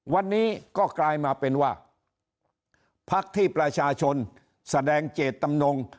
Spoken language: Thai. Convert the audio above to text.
วันนี้ก็กลายมาเป็นว่าพักที่ประชาชนแสดงเจตจำนง